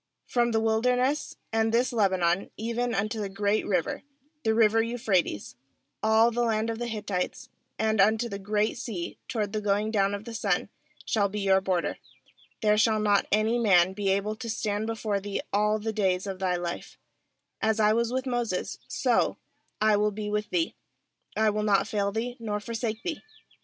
4From the wilderness, and this Lebanon, even unto the great river, the river Euphrates, all the land of the Hittites, and unto the Great Sea toward the going down of the sun, shall be your border, ^here shall not any man be able to stand before thee all the days of thy life; as I was with Moses, so I will be with thee; I will not fail thee, nor forsake thee.